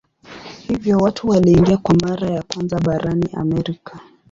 Hivyo watu waliingia kwa mara ya kwanza barani Amerika.